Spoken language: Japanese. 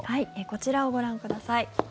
こちらをご覧ください。